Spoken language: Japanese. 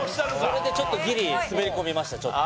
それでちょっとギリ滑り込みました。